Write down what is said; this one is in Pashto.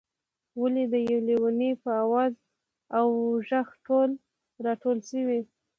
ولې د یو لېوني په آواز او غږ ټول راټول شوئ.